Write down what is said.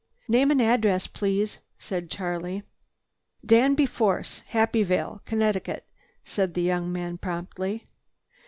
"Name and address, please," said Charlie. "Danby Force, Happy Vale, Connecticut," said the young man promptly.